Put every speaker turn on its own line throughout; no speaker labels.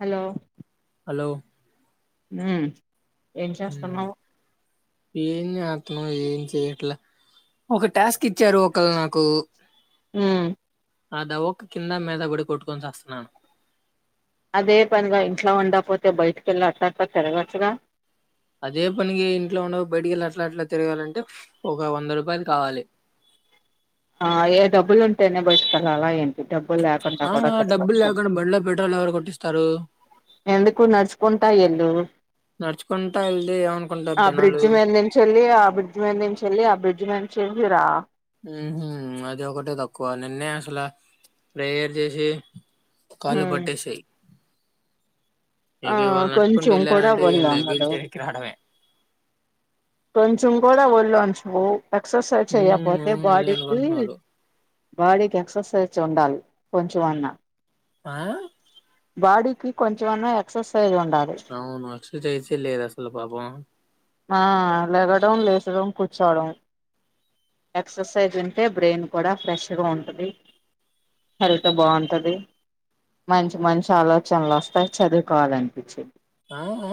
Hello
hello
మ్ ఏం చేస్తున్నావు
ఏం జేత్నం ఏం చెయట్ల ఒక టాస్క్ ఇచ్చారు ఒకల్ నాకు
ఉమ్
ఆదవ్వక కింద మీద పడి కొట్టుకొని చస్తన్నాను
అదే పనిగా ఇంట్లో ఉంకపోతే బయటికెళ్ళి అట్లా అట్లా తిరగచ్చుగా
అదే పనికి గ ఇంట్లో ఉండగ బయటకెళ్ళి అట్ల అట్ల తిరగాలంటే ఒక వంద రూపాయలు కావాలి
ఆ ఏ డబ్బుల్ ఉంటేనే బయటికెళ్ళల ఏంటి డబ్బులు లేకుండా
ఆ
కూడా
డబ్బులు
తిరగొచ్చు
లేకుండా బండిలో పెట్రోల్ ఎవరు కొట్టిస్తారు
ఎందుకు నడుచుకుంటా ఎల్లు
నడుచుకుంటా వెళ్తే ఏమనుకుంటారు
ఆ
జనాలు
బ్రిడ్జ్ మీద చెల్లి ఆ బ్రిడ్జ్ మీద నించి ఎల్లి ఆ బ్రిడ్జ్ మీచ్ చెంజిరా
మ్మ్ హు అది ఒకటే తక్కువ నిన్నే అసల ప్రేయర్ జేసి
ఉమ్
కాళ్ళుపట్టేశయ్
ఆ
ఇగ ఇవాళ నడుచుకుంటూ
కొంచెం కూడా
ఎళ్ళానంటే ఏం
ఒళ్ళు
లే వీల్
అందదు
చైర్ ఎక్కి రాడమే
కొంచెం కూడా వొళ్ళొంచవు ఎక్సర్సైజ్
ఉమ్
చేయ్యకపోతే
అవును అదే
బాడీకి
అనుకుంటున్నారు
బాడీకి ఎక్ససైజ్ ఉండాలి కొంచెం అన్నా
ఆ
బాడీకి కొంచెం అన్నా ఎక్ససైజ్ ఉన్
అవును ఎక్ససైస్ ఏ లేదు అసలు పాపం
ఆ లెగడం లేచడం కూర్చోడం ఎక్సర్సైజ్ ఉంటే బ్రెయిన్ కూడా ఫ్రెష్ గా ఉంటది హల్త్ బావుంటది మంచి మంచి ఆలోచనలు వస్తాయి చదువుకోవాలనిపించి
ఆ ఆ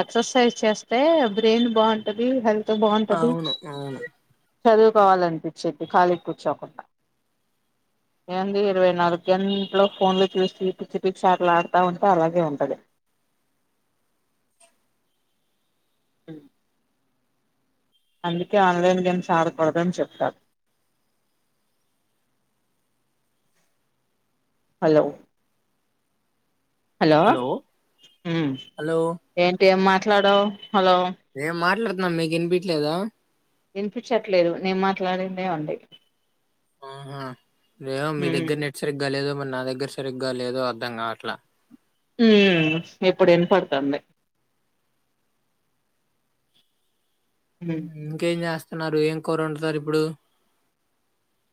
ఎక్సర్సైజ్ చేస్తే బ్రెయిన్ బావుంటది హెల్త్
అవును అవును
చదువుకోవాలనిపించేది ఖాళీ కూర్చోకుండా ఏంది ఇరవై నాలుగు గంటలూ ఫోన్లు చూసి పిచ్చి పిచ్చి ఆట్లు ఆడుతా ఉంటే అలాగే ఉంటది మ్ అందుకే ఆన్లైన్ గేమ్స్ ఆడకూడదని చెప్తారు హలో హలో మ్
హలో
ఏంటి ఏం మాట్లాడవ్
ఏం మాట్లాడత్నాం మీకు ఇనిపీట్లేదా
వినిపించట్లేదు నేం మాట్లాడిందే ఉంది
ఆహా ఏమో మీ
హ్మ్
దగ్గర నెట్ సరిగ్గా లేదు మన నా దగ్గర సరిగ్గా లేదో అర్థంగాట్లా
మ్మ్ ఇప్పుడు వినపడుతుంది
ఇంకేం చేస్తున్నారు ఏం కూర వండుతారు ఇప్పుడు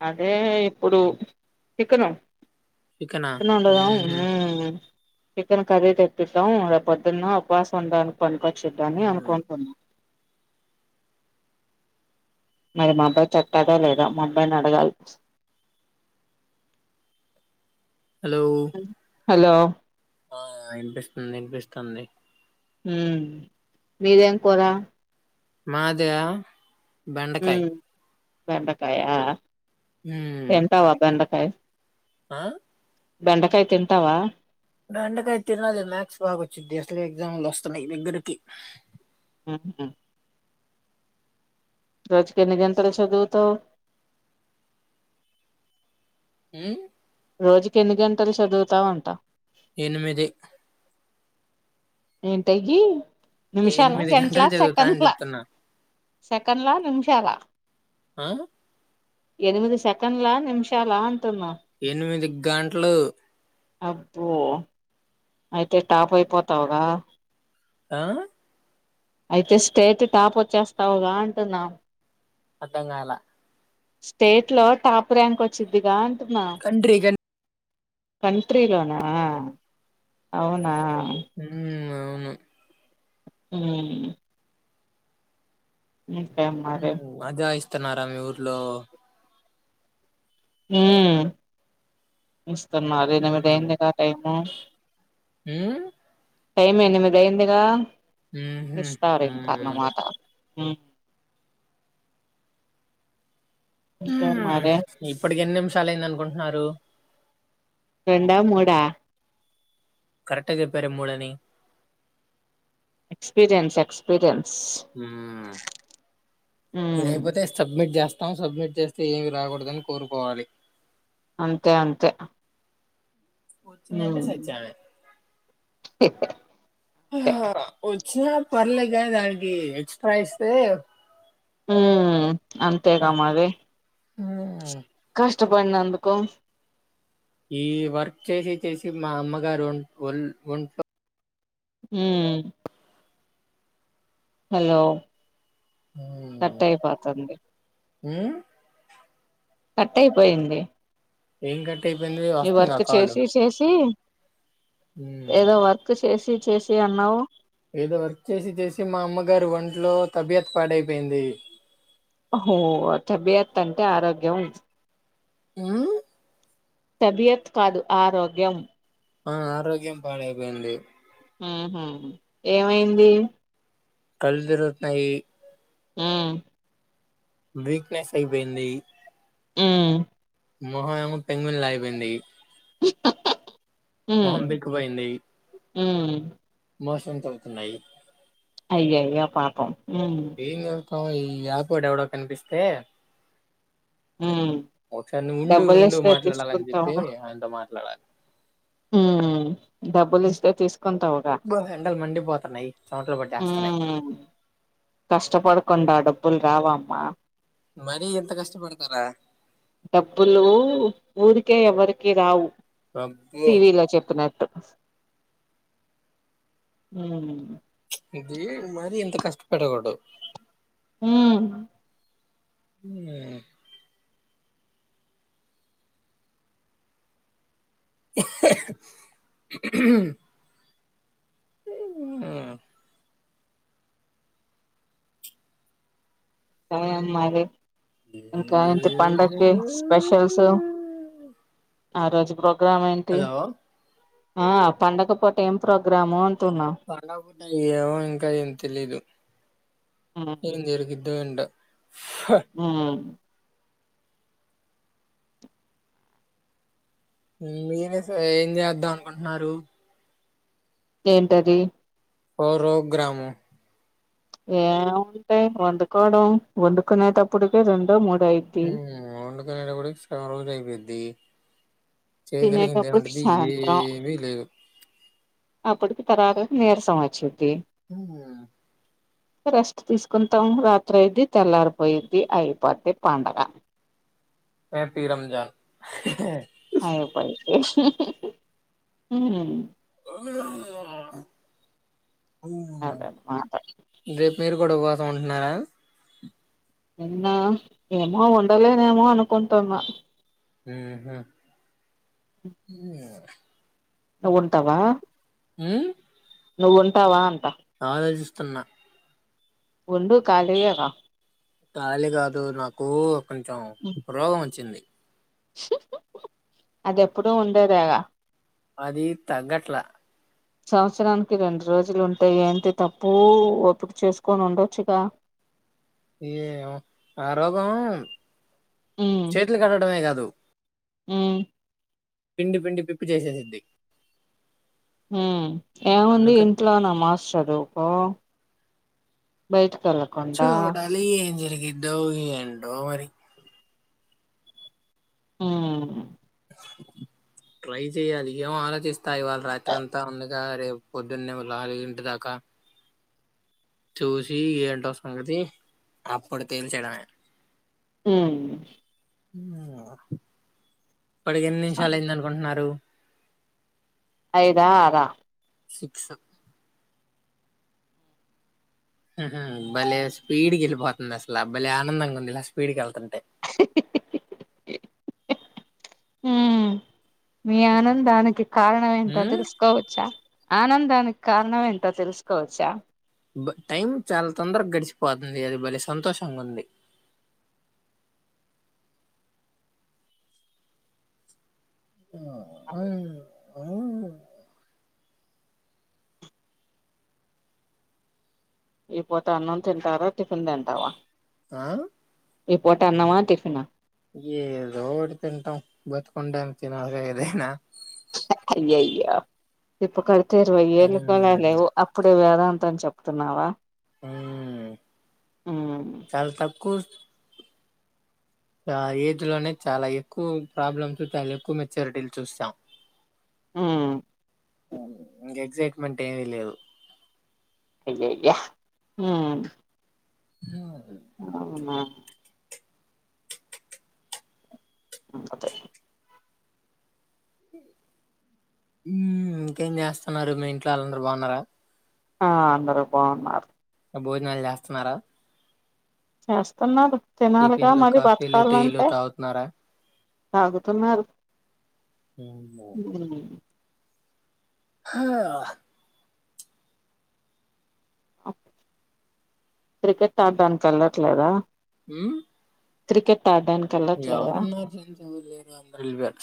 అదే ఇప్పుడు చికెను
చికెనా
కెను వండుదం మ్మ్మ్ చికెన్ కర్రీ తెప్పిద్దాం రేప్ పొద్దున్న ఉపవాసం ఉండానికి పనికొచ్చిద్దని అనుకుంటున్నా మరి మా అబ్బాయి తెత్తడో లేదో మా అబ్బాయినడగాలి
హలో
హ్మ్. హలో
ఆ వినిపిస్తుంది వినిపిస్తుంది.
ఉమ్ మిడ్ ఏం కూర?
మద బెండకాయ్
బెండకాయ,
ఉమ్,
తింటావా బెండకాయ్?
ఆ
బెండకాయ్ తింటావా?
దండకాయ్ తినాలి మ్యాథ్స్ బాగాొచ్చింది, అసలే ఎగ్జాములు వస్తున్నాయ్ దగ్గరికి
ఉహ్ ఉమ్ రోజుకి ఎన్ని గంటలు చదుతవ్?
హమ్
రోజుకి ఎన్ని గంటలు చదువుతావంట?
ఎనిమిది
ఏంటయి నిమిషాల
ఎనిమిది గంటలు
గంటలా
చదువుతా అని
సెకండ్లా?
చెప్తున్నా
సెకండ్లా నిమిషాల?
ఆ
ఎనిమిది సెకండ్ల నిమిషాల?
ఎనిమిది గంటలు
అబ్బో అయితే టాప్ అయిపోతావురా.
ఆ
అయితే స్టేట్ టాప్ వచ్చేస్తావురా అంటున్నా.
ఆర్ద్రంకల
స్టేట్ లో టాప్ ర్యాంక్ వచ్చిదిగా
కంట్రీ గన్
కంట్రీలోనా అవునా?
ఉమ్ అవును
ఉమ్ ఇంకేం మరి?
తిన్నారా మీ ఊర్లో?
ఉమ్ ఇస్తున్నారు ఎనిమిది
ఉహు
అయింది గా టైము.
ఉమ్
టైం ఎనిమిది అయిందిగా
ఉహు
ఇస్తార్ ఇంకా
ఉమ్
అన్నమాట ఉమ్ ఇంకేం
ఉమ్
మరి
ఇప్పటికి ఎన్ని నిమిషాలుయింద అనుకుంటున్నారు?
రెండా మూడా?
కరెక్ట్ ఏ చెప్పారు మూడు అని.
ఎక్స్పీరియన్స్ ఎక్స్పీరియన్
ఉమ్ ఇది
ఉమ్,
అయిపోతే సబ్మిట్ చేస్ త సబ్మిట్ చేస్తే ఏమి రాకూడదు అని కోరుకోవాలి.
అంతే అంతే
వచ్చినయ్ అంటే
ఉమ్
సచ్చావే ఆ వచ్చినా పర్లేగని దానికి ఏస్ ప్రై సేవ్
ఉమ్ అంతేగా మరి
ఉమ్
కష్టపడి అందుకో
ఈ వర్క్ చేసి చేసి మా అమ్మగారు ఓన్ ఓల్ వొంట్లో
ఉమ్ హలో కట్ అయ్ పోతుంది.
మ్
కటైయిపోయింది
ఏం కట్ అయిపోయింది వస్తుంద్గా కాలు
చేసి
ఉమ్
ఏదో వర్క్ షేసి చేసి అన్నావు
ఏదో వర్క్ చేసి చేసి మా అమ్మగారు ఒంట్లో తబ్యత్ పాడైపోయింది
ఒహో తబియత్తంటే ఆరోగ్యం
మ్
తబియత్ కాదు ఆరోగ్యం
ఆ ఆరోగ్యం పాడైపోయింది
మ్ హ్ ఏవైంది
కల్ దిరుగ్తున్నాయి
మ్
వీక్నెస్ అయిబోయింది
మ్
మొహం ఏమొ పెంగ్విన్ లా పోయింది మొహం బీక్కుబోయింది
మ్
మోషన్స్ అవ్తున్నాయి
అయ్యయ్యొ పాపం ఉమ్
ఏం జేతం ఈ యాకుడ్ ఎవడో కనిపిస్తే
మ్
ఒకసారి నువ్వు ఉండు ఉండు
డబ్బులిస్తే
మాట్లాడాలని
తీస్కుంటావ
చెప్పి ఆయనతో మాట్లాడాలి
మ్ డబ్బులిస్తే తీస్ కుంటవ్గా
అబ్బో ఎండలు మండిపోతున్నాయి చెమటలు పట్టేస్తున్నాయి
మ్ కష్టపడకుండా డబ్బుల్ రావమ్మా
మరీ ఇంత కష్టపడ్తారా
డబ్బులూ ఊరికే ఎవరికి రావు
అబ్బో
టీవీలో చెప్పినట్ మ్
దీ మరీ ఇంత కష్టపడకూడ్
మ్
ఆ
సరే మరి ఇంకా టి పండక్కి స్పెషల్స్ ఆరోజ్ ప్రో గ్రామ్ ఏంటి
హలో
ఆ పండగ పూట ఏం ప్రోగ్రామూ
పండగ్ పూట ఏమో ఇంకా ఏం తెలీదు ఏం జరిగిద్దో ఎంటో
మ్
మీరే ఏం చేద్దాం అనుకుంటున్నారు
ఏంటది
ఓ రోగ్రాము
ఏం ఉంటాయ్ వండుకోవడం వండుకునేటప్పుడు కే రెండో మూడో అయిద్ది
మ్ వండుకునేటప్పుడిక్ సగం రోజు అయిపోయిద్ది చేయగలిగింది
తినేటప్పటికి
ఏముంటది ఏమీ లేదు
అప్పుడుకి తరాకకు నీరసం వచ్చిద్ది
మ్
రెస్ట్ తీసుకుంటాం రాత్రి ఐద్ది తెల్లారిపోయిద్ది అయిపోద్ది పండగ
యాపి రంజాన్
అయిపోయిద్ది మ్ అదనమాట
రేపెరు డ ఉపాసమంట్నార
ఎన్నా ఏమో ఉండలేనేమో అనుకుంటున్నా
ఊహు
నువ్వుంటవా
ఊ
నువ్వుంటావా అంటా
ఆలోచిస్తున్నా
ఉండు ఖాళీ ఏగా
ఖాళీ గాదు నాకు కొంచెం రోగం వచ్చింది
అది ఎప్పుడూ ఉండేదేగా
అది తగ్గట్లా
సంవత్సరానికి రెండు రోజులు ఉంటే ఏంటి తప్పూ ఓపిక చేసుకొని ఉండొచ్చుగా
[inaudible] ఏమో ఆ రోగం చేట్లు కట్టడమే గాదు
ఊ
పిండి పిండి పిప్పి చేసేసిద్ది
మ్మ్ ఏముంది
అందుకని
ఇంట్లో నమాజ్ చదువుకో బైట
చూడాలి ఏం జరిగిద్దో ఏంటో మరి
ఊ
ట్రై చెయాలి ఏమో ఆలోచిస్తా ఇవాళ రాత్రి అంతా ఉంది ఇంకా రేపు పొద్దున్నే నాలుగింటిదాకా చూసి ఏంటో సంగతి అప్పుడు తేల్చయడమే
ఊ
పడికి ఎన్ని నిమిషాలు అయిందనుకుంటన్నారు
ఐదా ఆరా
సిక్స్ భలే స్పీడ్ గెళ్ళిపోతుంది అసలా భలే ఆనందంగుంది ఇలా స్పీడ్ గా ఎళ్తుంటే
మ్మ్ మీ ఆనందానికి కారణం ఏంటో
ఉమ్
తెలుసుకోవచ్చా ఆనందానికి కారణం ఏంటో తెలుసుకోవచ్చా
టైం చాలా తొందరగా గడిచిపోతుంది అది బలే సంతోషంగుంది [inaudible] [unintelligible]
ఈపూట అన్నం తింటారా టిఫిన్ తింటావా
ఆ
ఈ పూట అన్నమా టిఫెన
ఏదో ఒకటి తింటాం బతుకుండానికి తినాలిగా ఏదైనా
అయయ్యో ఇప్పకడతే ఇరవై ఏళ్లు
ఉమ్
కడా లేవు అప్పుడే వ్యాద అంతని చెప్తున్నావా
మ్మ్
మ్మ్
చాల తక్కు ఆ ఏజ్ లోనే చాలా ఎక్కువ ప్రాబ్లమ్స్ చాలా ఎక్కువ మెచ్యూరిటీలు చూసాం
మ్మ్
ఇంక ఎగ్జైట్మెంట్ ఏమీ లేదు
అయ్యయ్యా
హ
అవునా మతే
ఇంకేం చేస్తన్నారు మీ ఇంట్లో వాళ్ళందరూ బాగున్నారా
ఆ అందరు బాగున్నారు
భోజనాలు చేస్తన్నారా
చేస్తన్నారు తినాలిగా
టిఫిన్లు,
మరి
కాఫీలు, టీలు
బతకాలంటే
తాగుతున్నారా?
తాగుతున్నారు
హుమో
మ్మ్
హా
అ క్రికెట్ ఆడ్డానికి వెళ్ళట్లేదా
ఉమ్
క్రికెట్ ఆడడానికి వెళ్ళట్లేదా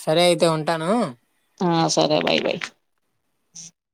సరే అయితే ఉంటాను
ఆ సరే బై బై